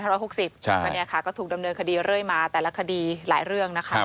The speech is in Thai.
อันนี้ค่ะก็ถูกดำเนินคดีเรื่อยมาแต่ละคดีหลายเรื่องนะคะ